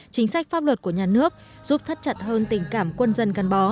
chính sách pháp luật của nhà nước giúp thắt chặt hơn tình cảm quân dân gắn bó